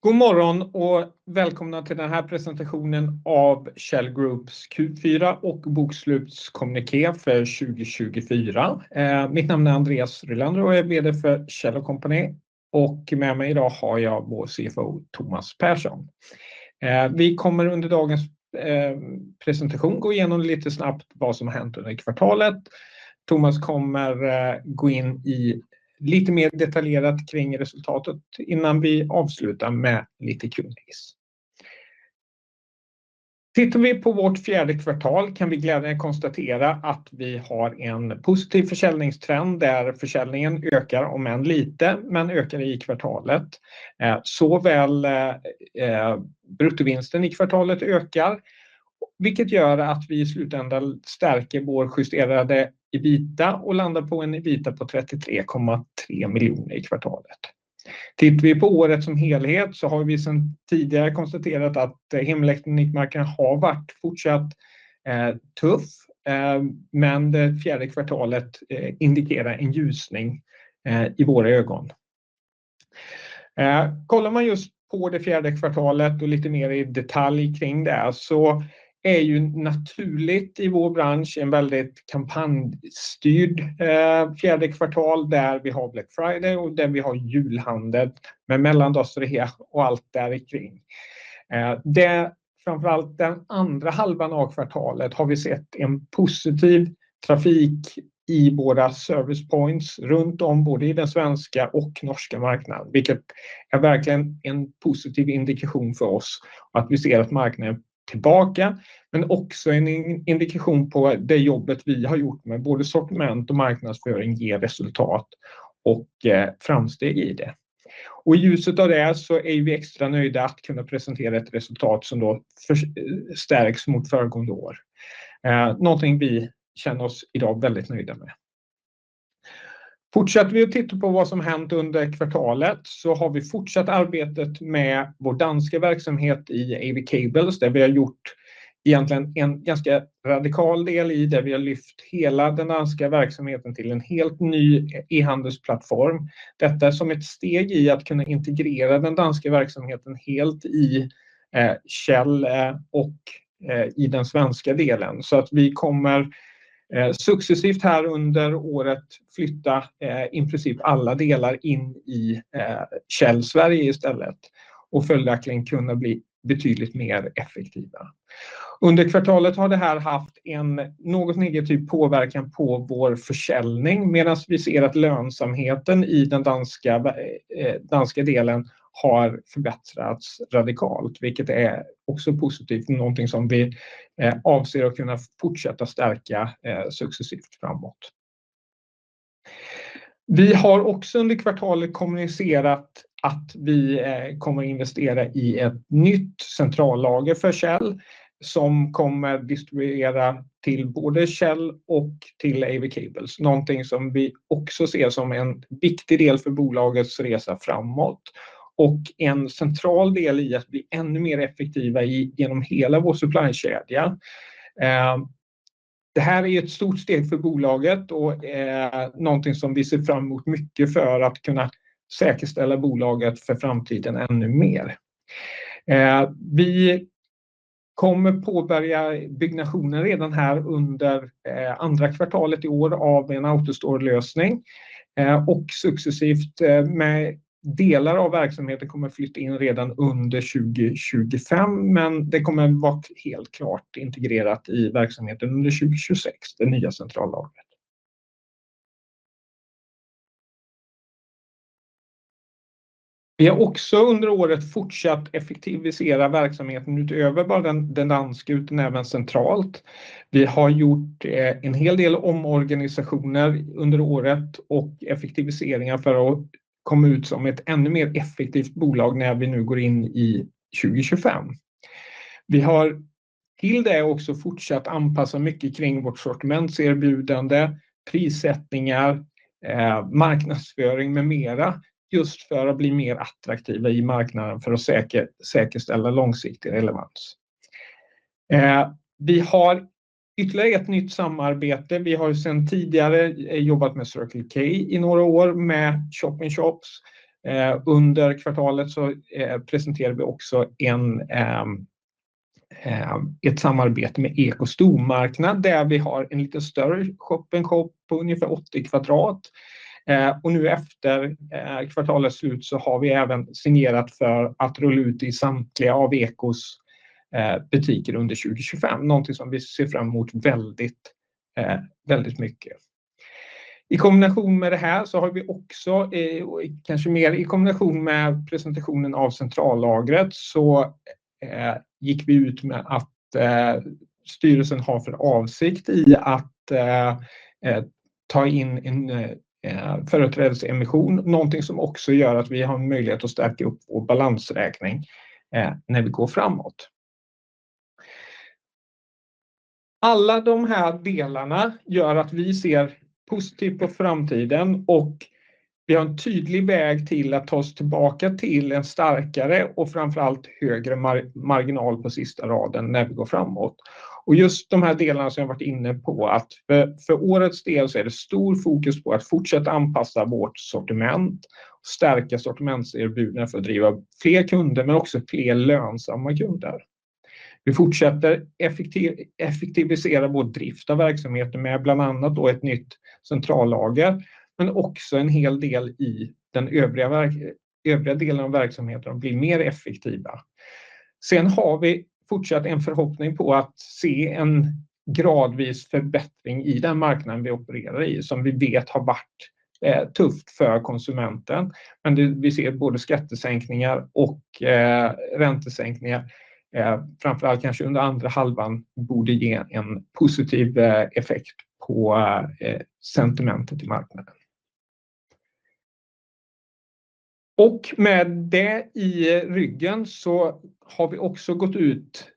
God morgon och välkomna till den här presentationen av Kjell Groups Q4 och bokslutsrapport för 2024. Mitt namn är Andreas Rylander och jag är VD för Kjell & Co. Med mig idag har jag vår CFO, Thomas Pehrsson. Vi kommer under dagens presentation gå igenom lite snabbt vad som har hänt under kvartalet. Thomas kommer gå in lite mer detaljerat kring resultatet innan vi avslutar med lite kronor. Tittar vi på vårt fjärde kvartal kan vi glädjande konstatera att vi har en positiv försäljningstrend där försäljningen ökar, om än lite, men ökar i kvartalet. Såväl bruttovinsten i kvartalet ökar, vilket gör att vi i slutändan stärker vår justerade EBITA och landar på en EBITA på 33,3 miljoner kronor i kvartalet. Tittar vi på året som helhet så har vi sedan tidigare konstaterat att hemelektronikmarknaden har varit fortsatt tuff, men det fjärde kvartalet indikerar en ljusning i våra ögon. Kollar man just på det fjärde kvartalet och lite mer i detalj kring det så är det ju naturligt i vår bransch en väldigt kampanjstyrd fjärde kvartal där vi har Black Friday och där vi har julhandel med mellandagsrea och allt däromkring. Framför allt den andra halvan av kvartalet har vi sett en positiv trafik i våra service points runt om både i den svenska och norska marknaden, vilket är verkligen en positiv indikation för oss att vi ser att marknaden är tillbaka, men också en indikation på det jobbet vi har gjort med både sortiment och marknadsföring ger resultat och framsteg i det. I ljuset av det så är vi extra nöjda att kunna presentera ett resultat som då stärks mot föregående år. Någonting vi känner oss idag väldigt nöjda med. Fortsätter vi att titta på vad som har hänt under kvartalet så har vi fortsatt arbetet med vår danska verksamhet i Av-Cables, där vi har gjort egentligen en ganska radikal del i, där vi har lyft hela den danska verksamheten till en helt ny e-handelsplattform. Detta som ett steg i att kunna integrera den danska verksamheten helt i Kjell och i den svenska delen. Så att vi kommer successivt här under året flytta inklusive alla delar in i Kjell Sverige istället och fullvärkligen kunna bli betydligt mer effektiva. Under kvartalet har det här haft en något negativ påverkan på vår försäljning, medan vi ser att lönsamheten i den danska delen har förbättrats radikalt, vilket är också positivt, någonting som vi avser att kunna fortsätta stärka successivt framåt. Vi har också under kvartalet kommunicerat att vi kommer att investera i ett nytt centrallager för Kjell som kommer att distribuera till både Kjell och till AB Cables, något som vi också ser som en viktig del för bolagets resa framåt och en central del i att bli ännu mer effektiva genom hela vår supplykedja. Det här är ju ett stort steg för bolaget och något som vi ser fram emot mycket för att kunna säkerställa bolaget för framtiden ännu mer. Vi kommer att påbörja byggnationen redan här under andra kvartalet i år av en AutoStore-lösning och successivt med delar av verksamheten kommer att flytta in redan under 2025, men det kommer att vara helt klart integrerat i verksamheten under 2026, det nya centrallagret. Vi har också under året fortsatt effektivisera verksamheten utöver bara den danska utan även centralt. Vi har gjort en hel del omorganisationer under året och effektiviseringar för att komma ut som ett ännu mer effektivt bolag när vi nu går in i 2025. Vi har till det också fortsatt anpassa mycket kring vårt sortimentserbjudande, prissättningar, marknadsföring med mera, just för att bli mer attraktiva i marknaden för att säkerställa långsiktig relevans. Vi har ytterligare ett nytt samarbete. Vi har ju sedan tidigare jobbat med Circle K i några år med shop-in-shops. Under kvartalet så presenterade vi också ett samarbete med Eko Stormarknad där vi har en lite större shop-in-shop på ungefär 80 kvadratmeter. Nu efter kvartalets slut så har vi även signerat för att rulla ut i samtliga av Ekos butiker under 2025, någonting som vi ser fram emot väldigt, väldigt mycket. I kombination med det här så har vi också, och kanske mer i kombination med presentationen av centrallagret, så gick vi ut med att styrelsen har för avsikt att ta in en företrädesemission, någonting som också gör att vi har en möjlighet att stärka upp vår balansräkning när vi går framåt. Alla de här delarna gör att vi ser positivt på framtiden och vi har en tydlig väg till att ta oss tillbaka till en starkare och framför allt högre marginal på sista raden när vi går framåt. Just de här delarna som jag har varit inne på, att för årets del så är det stort fokus på att fortsätta anpassa vårt sortiment, stärka sortimentserbjudandet för att driva fler kunder, men också fler lönsamma kunder. Vi fortsätter effektivisera vår drift av verksamheten med bland annat då ett nytt centrallager, men också en hel del i den övriga delen av verksamheten och bli mer effektiva. Sen har vi fortsatt en förhoppning på att se en gradvis förbättring i den marknaden vi opererar i, som vi vet har varit tufft för konsumenten, men vi ser både skattesänkningar och räntesänkningar, framför allt kanske under andra halvan borde ge en positiv effekt på sentimentet i marknaden. Och med det i ryggen så har vi också gått ut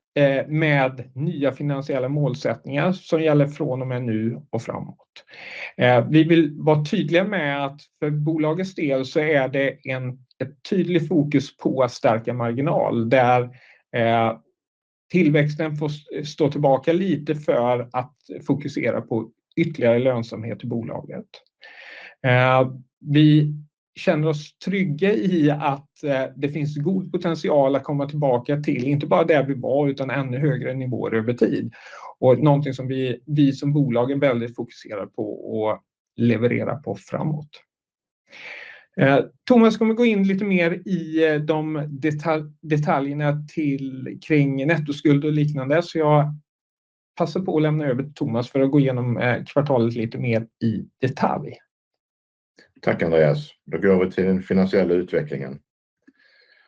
med nya finansiella målsättningar som gäller från och med nu och framåt. Vi vill vara tydliga med att för bolagets del så är det ett tydligt fokus på att stärka marginal, där tillväxten får stå tillbaka lite för att fokusera på ytterligare lönsamhet i bolaget. Vi känner oss trygga i att det finns god potential att komma tillbaka till, inte bara där vi var, utan ännu högre nivåer över tid. Något som vi som bolag är väldigt fokuserade på och leverera på framåt. Thomas kommer gå in lite mer i detaljerna kring nettoskuld och liknande, så jag passar på att lämna över till Thomas för att gå igenom kvartalet lite mer i detalj. Tack Andreas. Då går vi över till den finansiella utvecklingen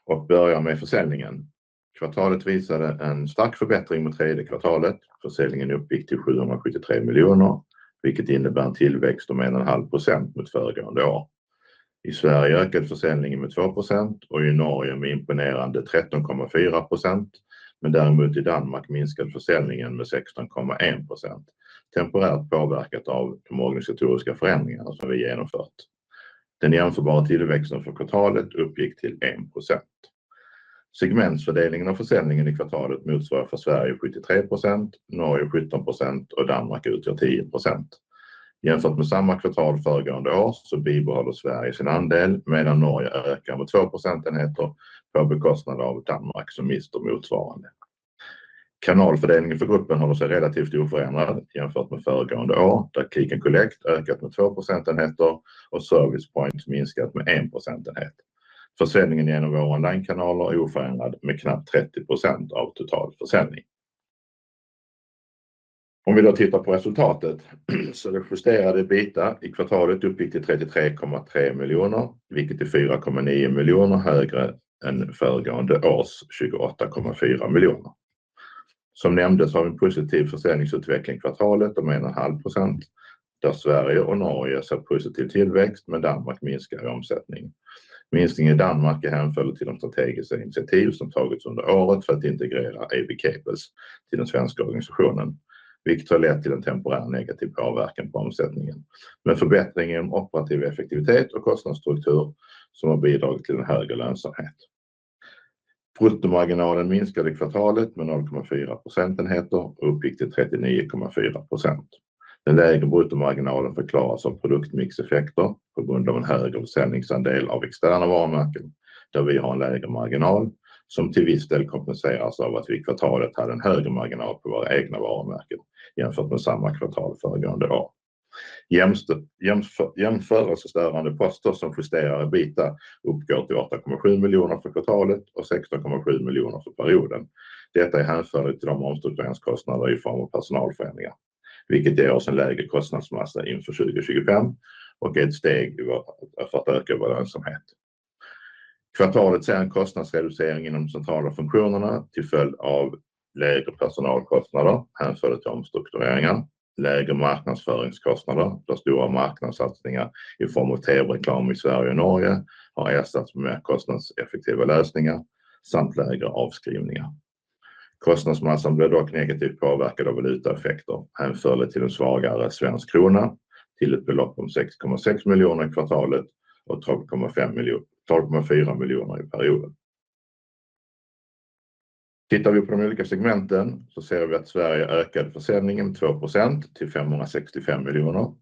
och börjar med försäljningen. Kvartalet visade en stark förbättring mot tredje kvartalet. Försäljningen uppgick till 773 miljoner, vilket innebär en tillväxt om 1,5% mot föregående år. I Sverige ökade försäljningen med 2% och i Norge med imponerande 13,4%, men däremot i Danmark minskade försäljningen med 16,1%, temporärt påverkat av de organisatoriska förändringarna som vi genomfört. Den jämförbara tillväxten för kvartalet uppgick till 1%. Segmentsfördelningen av försäljningen i kvartalet motsvarar för Sverige 73%, Norge 17% och Danmark utgör 10%. Jämfört med samma kvartal föregående år så bibehåller Sverige sin andel, medan Norge ökar med 2 procentenheter på bekostnad av Danmark som mister motsvarande. Kanalfördelningen för gruppen håller sig relativt oförändrad jämfört med föregående år, där Click & Collect ökat med 2 procentenheter och Service Points minskat med 1 procentenhet. Försäljningen genom våra online-kanaler är oförändrad med knappt 30% av totalförsäljning. Om vi då tittar på resultatet så är det justerade EBITA i kvartalet uppgick till 33,3 miljoner, vilket är 4,9 miljoner högre än föregående års 28,4 miljoner. Som nämndes har vi en positiv försäljningsutveckling i kvartalet om 1,5%, där Sverige och Norge ser positiv tillväxt, men Danmark minskar i omsättning. Minskningen i Danmark är en följd till de strategiska initiativ som tagits under året för att integrera AB Cables till den svenska organisationen, vilket har lett till en temporär negativ påverkan på omsättningen, men förbättring i den operativa effektiviteten och kostnadsstruktur som har bidragit till en högre lönsamhet. Bruttomarginalen minskade i kvartalet med 0,4 procentenheter och uppgick till 39,4%. Den lägre bruttomarginalen förklaras av produktmixeffekter på grund av en högre försäljningsandel av externa varumärken, där vi har en lägre marginal som till viss del kompenseras av att vi i kvartalet hade en högre marginal på våra egna varumärken jämfört med samma kvartal föregående år. Jämförelsestörande poster som justerade EBITA uppgår till 8,7 miljoner för kvartalet och 16,7 miljoner för perioden. Detta är hänförligt till de omstruktureringskostnader i form av personalförändringar, vilket ger oss en lägre kostnadsmassa inför 2025 och är ett steg för att öka vår lönsamhet. Kvartalet ser en kostnadsreducering inom de centrala funktionerna till följd av lägre personalkostnader, hänförliga till omstruktureringar, lägre marknadsföringskostnader, där stora marknadssatsningar i form av TV-reklam i Sverige och Norge har ersatts med mer kostnadseffektiva lösningar samt lägre avskrivningar. Kostnadsmassan blev dock negativt påverkad av valutaeffekter, hänförligt till en svagare svensk krona till ett belopp om 6,6 miljoner kronor i kvartalet och 12,4 miljoner kronor i perioden. Tittar vi på de olika segmenten så ser vi att Sverige ökade försäljningen med 2% till 565 miljoner kronor.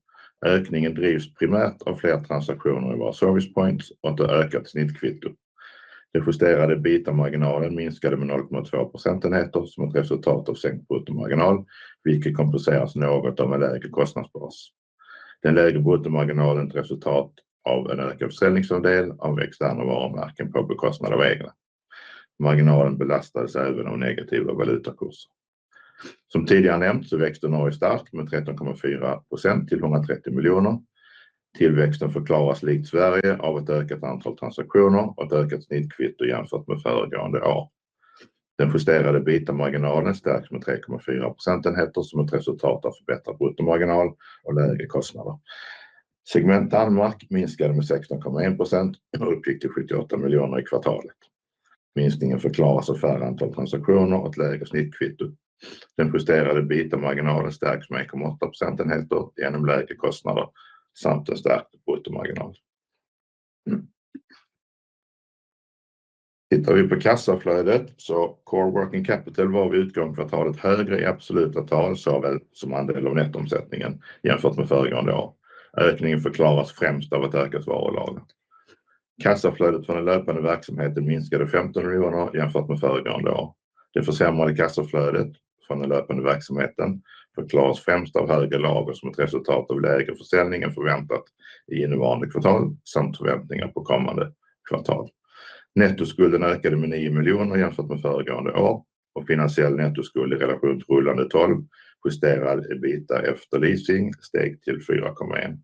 Ökningen drivs primärt av fler transaktioner i våra Service Points och ett ökat snittkvitto. Den justerade EBITA-marginalen minskade med 0,2 procentenheter som ett resultat av sänkt bruttomarginal, vilket kompenseras något av en lägre kostnadsbas. Den lägre bruttomarginalen är ett resultat av en ökad försäljningsandel av externa varumärken på bekostnad av egna. Marginalen belastades även av negativa valutakurser. Som tidigare nämnt så växte Norge starkt med 13,4% till 130 miljoner kronor. Tillväxten förklaras likt Sverige av ett ökat antal transaktioner och ett ökat snittkvitto jämfört med föregående år. Den justerade EBITA-marginalen stärks med 3,4 procentenheter som ett resultat av förbättrad bruttomarginal och lägre kostnader. Segment Danmark minskade med 16,1% och uppgick till 78 miljoner i kvartalet. Minskningen förklaras av färre antal transaktioner och ett lägre snittkvitto. Den justerade EBITA-marginalen stärks med 1,8 procentenheter genom lägre kostnader samt en stärkt bruttomarginal. Tittar vi på kassaflödet så var Core Working Capital vid utgången av kvartalet högre i absoluta tal som andel av nettoomsättningen jämfört med föregående år. Ökningen förklaras främst av ett ökat varulager. Kassaflödet från den löpande verksamheten minskade 15 miljoner jämfört med föregående år. Det försämrade kassaflödet från den löpande verksamheten förklaras främst av högre lager som ett resultat av lägre försäljning än förväntat i innevarande kvartal samt förväntningar på kommande kvartal. Nettoskulden ökade med 9 miljoner jämfört med föregående år och finansiell nettoskuld i relation till rullande tolv justerad EBITA efter leasing steg till 4,1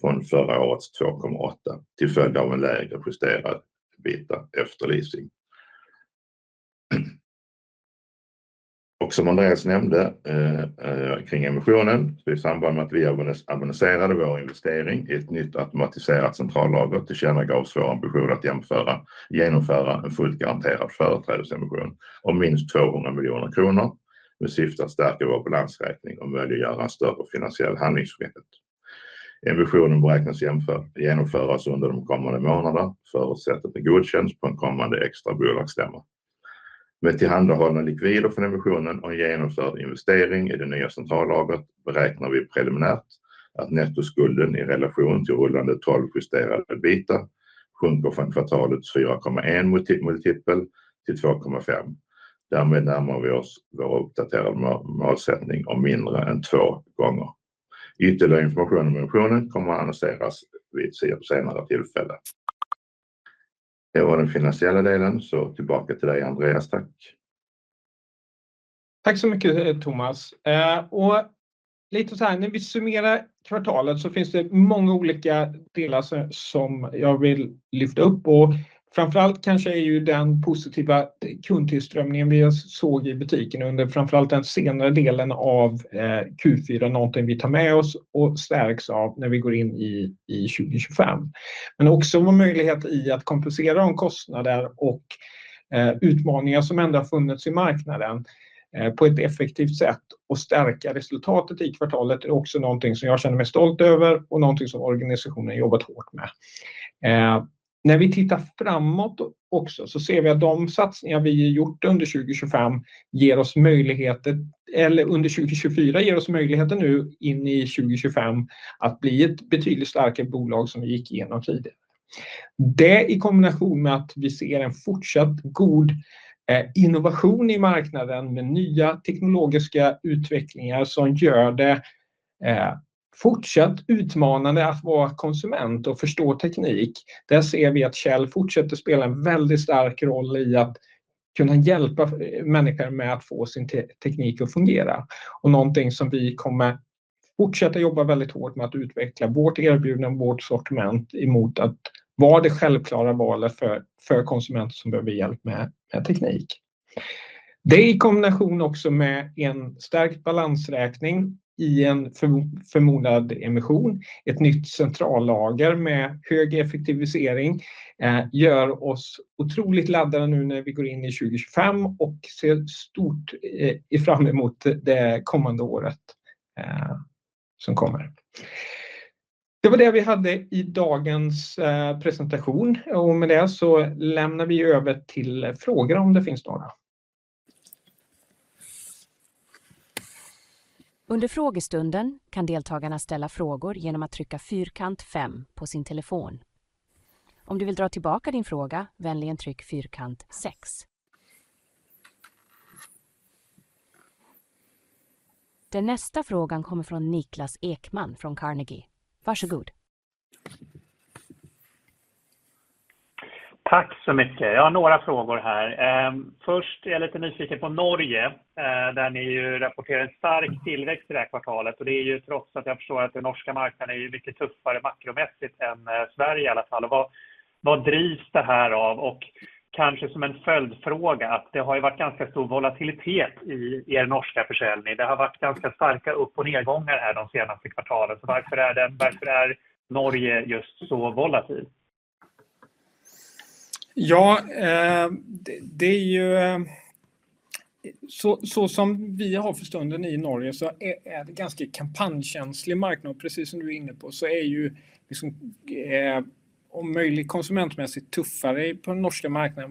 från förra årets 2,8 till följd av en lägre justerad EBITA efter leasing. Och som Andreas nämnde kring emissionen så i samband med att vi amorterade vår investering i ett nytt automatiserat centrallager tillkännagavs vår ambition att genomföra en fullt garanterad företrädesemission om minst 200 miljoner kronor med syfte att stärka vår balansräkning och möjliggöra en större finansiell handlingsfrihet. Emissionen beräknas genomföras under de kommande månaderna förutsatt att den godkänns på en kommande extra bolagsstämma. Med tillhandahållen likviditet från emissionen och en genomförd investering i det nya centrallagret beräknar vi preliminärt att nettoskulden i relation till rullande tolv justerad EBITDA sjunker från kvartalets 4,1 multipel till 2,5. Därmed närmar vi oss vår uppdaterade målsättning om mindre än två gånger. Ytterligare information om emissionen kommer att annonseras vid ett senare tillfälle. Det var den finansiella delen, så tillbaka till dig Andreas, tack. Tack så mycket Thomas. Och lite så här, när vi summerar kvartalet så finns det många olika delar som jag vill lyfta upp. Framför allt kanske är ju den positiva kundtillströmningen vi såg i butiken under framför allt den senare delen av Q4 någonting vi tar med oss och stärks av när vi går in i 2025. Men också vår möjlighet att kompensera för kostnader och utmaningar som ändå har funnits i marknaden på ett effektivt sätt och stärka resultatet i kvartalet är också någonting som jag känner mig stolt över och någonting som organisationen har jobbat hårt med. När vi tittar framåt också så ser vi att de satsningar vi har gjort under 2024 ger oss möjligheter nu in i 2025 att bli ett betydligt starkare bolag som vi gick igenom tidigare. Det i kombination med att vi ser en fortsatt god innovation i marknaden med nya teknologiska utvecklingar som gör det fortsatt utmanande att vara konsument och förstå teknik, där ser vi att Kjell fortsätter spela en väldigt stark roll i att kunna hjälpa människor med att få sin teknik att fungera. Någonting som vi kommer fortsätta jobba väldigt hårt med att utveckla vårt erbjudande och vårt sortiment emot att vara det självklara valet för konsumenter som behöver hjälp med teknik. Det i kombination också med en stärkt balansräkning i en förmodad emission, ett nytt centrallager med hög effektivisering, gör oss otroligt laddade nu när vi går in i 2025 och ser stort fram emot det kommande året som kommer. Det var det vi hade i dagens presentation, och med det så lämnar vi över till frågor om det finns några. Under frågestunden kan deltagarna ställa frågor genom att trycka fyrkant 5 på sin telefon. Om du vill dra tillbaka din fråga, vänligen tryck fyrkant 6. Den nästa frågan kommer från Niklas Ekman från Carnegie. Varsågod. Tack så mycket. Jag har några frågor här. Först är jag lite nyfiken på Norge, där ni ju rapporterar en stark tillväxt i det här kvartalet, och det är ju trots att jag förstår att den norska marknaden är ju mycket tuffare makromässigt än Sverige i alla fall. Vad drivs det här av? Och kanske som en följdfråga, att det har ju varit ganska stor volatilitet i norska försäljning. Det har varit ganska starka upp- och nedgångar här de senaste kvartalen, så varför är Norge just så volatilt? Ja, det är ju, så som vi har för stunden i Norge så är det en ganska kampanjkänslig marknad, och precis som du är inne på så är ju liksom om möjligt konsumentmässigt tuffare på den norska marknaden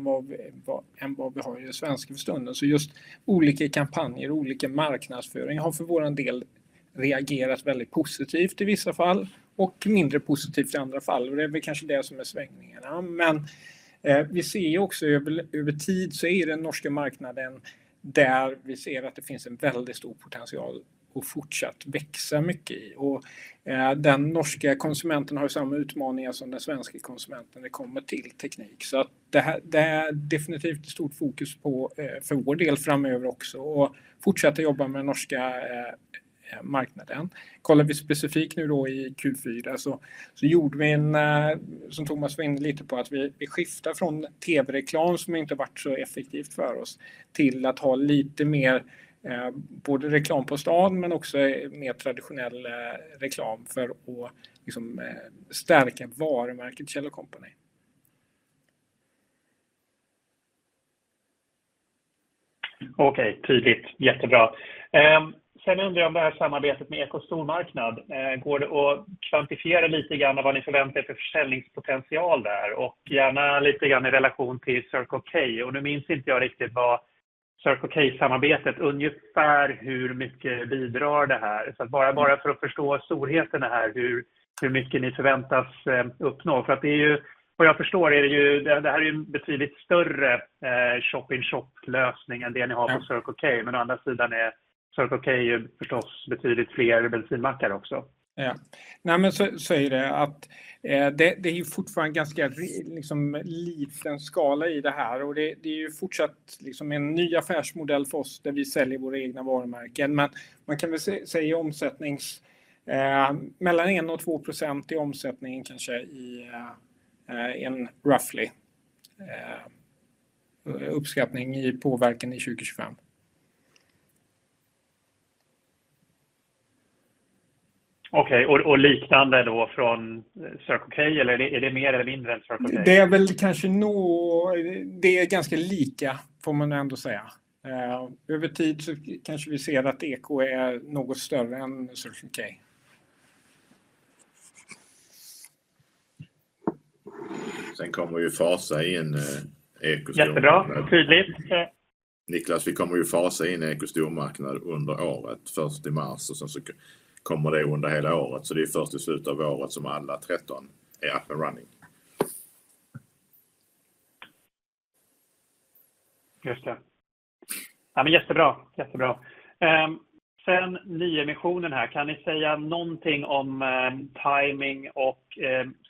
än vad vi har i det svenska för stunden. Så just olika kampanjer, olika marknadsföring har för vår del reagerat väldigt positivt i vissa fall och mindre positivt i andra fall, och det är väl kanske det som är svängningarna. Men vi ser ju också över tid så är det den norska marknaden där vi ser att det finns en väldigt stor potential att fortsatt växa mycket i, och den norska konsumenten har ju samma utmaningar som den svenska konsumenten när det kommer till teknik, så att det här är definitivt ett stort fokus för vår del framöver också, och fortsätta jobba med den norska marknaden. Kollar vi specifikt nu då i Q4 så gjorde vi, som Thomas var inne lite på, att vi skiftade från TV-reklam som inte har varit så effektivt för oss till att ha lite mer både reklam på stan men också mer traditionell reklam för att stärka varumärket Kjell & Company. Okej, tydligt, jättebra. Sen undrar jag om det här samarbetet med Eko Stormarknad, går det att kvantifiera lite grann vad ni förväntar för försäljningspotential där, och gärna lite grann i relation till Circle K. Nu minns inte jag riktigt vad Circle K-samarbetet, ungefär hur mycket bidrar det här, så att bara för att förstå storheten här, hur mycket ni förväntas uppnå. För det är ju, vad jag förstår är det ju, det här är ju en betydligt större shop-in-shop-lösning än det ni har på Circle K, men å andra sidan är Circle K ju förstås betydligt fler bensinmackar också. Ja, nej men så är det, att det är ju fortfarande ganska liksom liten skala i det här, och det är ju fortsatt liksom en ny affärsmodell för oss där vi säljer våra egna varumärken, men man kan väl säga i omsättning, mellan 1 och 2% i omsättningen kanske i en roughly uppskattning i påverkan i 2025. Okej, och liknande då från Circle K, eller är det mer eller mindre än Circle K? Det är väl kanske nog, det är ganska lika får man ändå säga. Över tid så kanske vi ser att Eko är något större än Circle K. Sen kommer vi ju fasa in Eko Stormarknad. Jättebra, tydligt. Niklas, vi kommer ju fasa in Eko Stormarknad under året, först i mars och sen så kommer det under hela året, så det är ju först i slutet av året som alla 13 är up and running. Just det. Nej men jättebra, jättebra. Sen nyemissionen här, kan ni säga någonting om timing och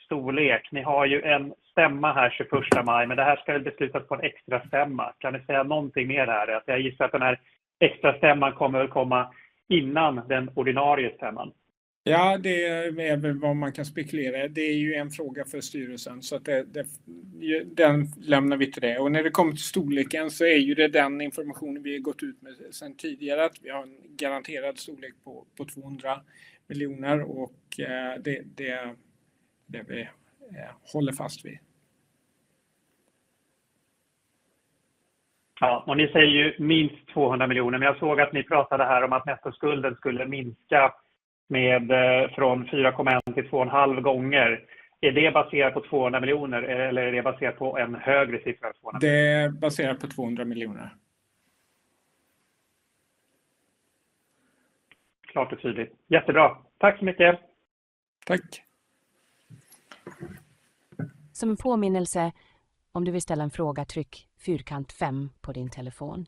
storlek? Ni har ju en stämma här 21 maj, men det här ska väl beslutas på en extra stämma. Kan ni säga någonting mer här? Jag gissar att den här extra stämman kommer väl komma innan den ordinarie stämman. Ja, det är väl vad man kan spekulera. Det är ju en fråga för styrelsen, så det lämnar vi till det. När det kommer till storleken så är det den informationen vi har gått ut med sen tidigare, att vi har en garanterad storlek på 200 miljoner och det är det vi håller fast vid. Ja, och ni säger ju minst 200 miljoner, men jag såg att ni pratade här om att nettoskulden skulle minska med från 4,1 till 2,5 gånger. Är det baserat på 200 miljoner eller är det baserat på en högre siffra än 200? Det är baserat på 200 miljoner. Klart och tydligt. Jättebra, tack så mycket. Tack. Som en påminnelse, om du vill ställa en fråga, tryck fyrkant 5 på din telefon.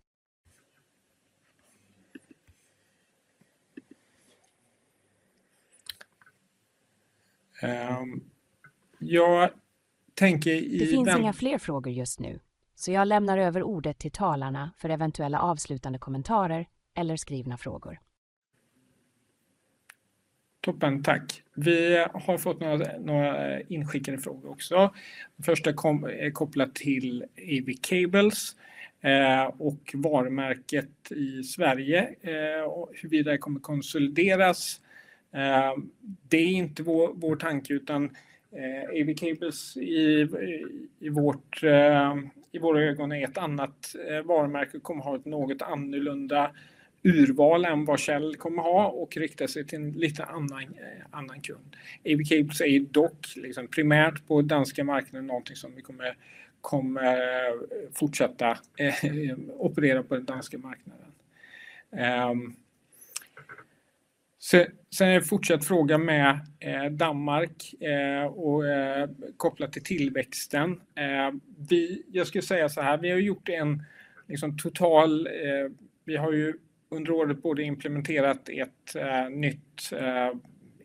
Jag tänker i den. Det finns inga fler frågor just nu, så jag lämnar över ordet till talarna för eventuella avslutande kommentarer eller skrivna frågor. Toppen, tack. Vi har fått några inskickade frågor också. Den första är kopplad till AV Cables och varumärket i Sverige och huruvida det kommer att konsolideras. Det är inte vår tanke utan AV Cables i våra ögon är ett annat varumärke och kommer att ha ett något annorlunda urval än vad Kjell kommer att ha och rikta sig till en lite annan kund. AV Cables är dock primärt på den danska marknaden, någonting som vi kommer fortsätta operera på den danska marknaden. Sen är det en fortsatt fråga med Danmark och kopplat till tillväxten. Jag skulle säga så här, vi har gjort en total - vi har under året både implementerat ett nytt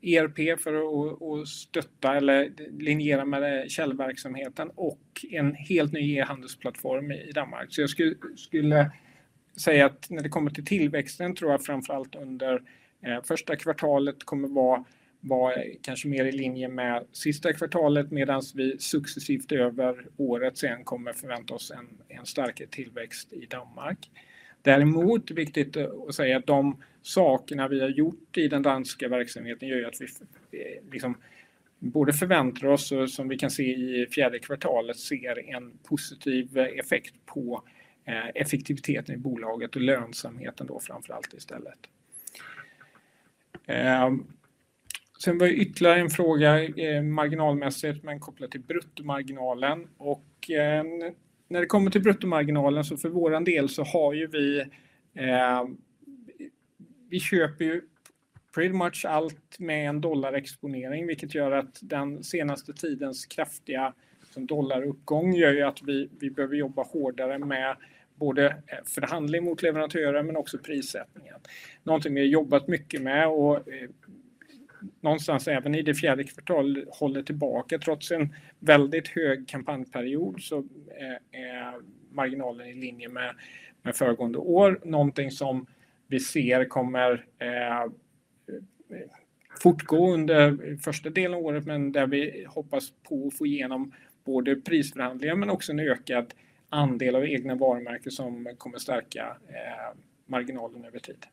ERP för att stötta eller linjera med Kjell-verksamheten och en helt ny e-handelsplattform i Danmark. Så jag skulle säga att när det kommer till tillväxten tror jag framför allt under första kvartalet kommer vara kanske mer i linje med sista kvartalet, medan vi successivt över året sen kommer förvänta oss en starkare tillväxt i Danmark. Däremot, viktigt att säga, att de sakerna vi har gjort i den danska verksamheten gör ju att vi både förväntar oss och som vi kan se i fjärde kvartalet ser en positiv effekt på effektiviteten i bolaget och lönsamheten då framför allt istället. Sen var det ytterligare en fråga marginalmässigt men kopplat till bruttomarginalen och när det kommer till bruttomarginalen så för vår del så har vi, vi köper ju pretty much allt med en dollarexponering, vilket gör att den senaste tidens kraftiga dollaruppgång gör ju att vi behöver jobba hårdare med både förhandling mot leverantörer men också prissättningen. Någonting vi har jobbat mycket med och någonstans även i det fjärde kvartalet håller tillbaka trots en väldigt hög kampanjperiod så är marginalen i linje med föregående år. Någonting som vi ser kommer fortgå under första delen av året, men där vi hoppas på att få igenom både prisförhandlingar men också en ökad andel av egna varumärken som kommer stärka marginalen över tid.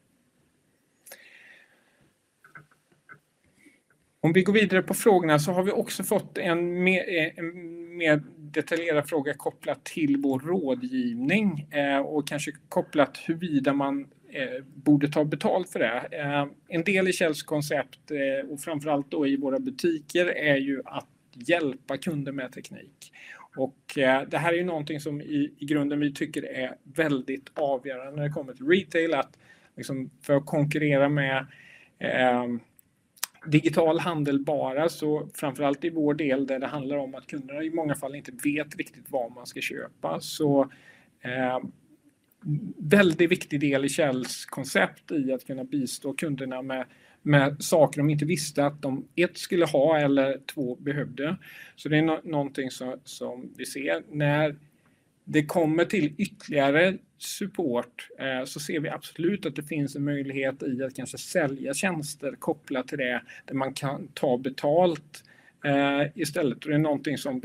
Om vi går vidare på frågorna så har vi också fått en mer detaljerad fråga kopplat till vår rådgivning och kanske kopplat huruvida man borde ta betalt för det. En del i Kjells koncept och framför allt då i våra butiker är ju att hjälpa kunder med teknik. Och det här är ju någonting som i grunden vi tycker är väldigt avgörande när det kommer till retail, att för att konkurrera med digital handel bara så framför allt i vår del där det handlar om att kunderna i många fall inte vet riktigt vad man ska köpa. Så väldigt viktig del i Kjells koncept i att kunna bistå kunderna med saker de inte visste att de ett skulle ha eller två behövde. Så det är någonting som vi ser. När det kommer till ytterligare support så ser vi absolut att det finns en möjlighet i att kanske sälja tjänster kopplat till det där man kan ta betalt istället. Och det är någonting som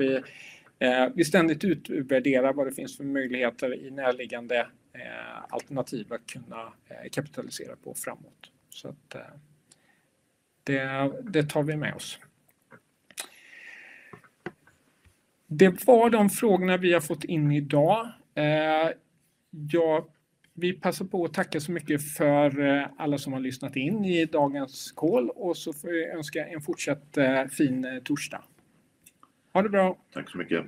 vi ständigt utvärderar vad det finns för möjligheter i närliggande alternativ att kunna kapitalisera på framåt. Så att det tar vi med oss. Det var de frågorna vi har fått in idag. Jag vill passa på att tacka så mycket för alla som har lyssnat in i dagens call och så får vi önska en fortsatt fin torsdag. Ha det bra. Tack så mycket.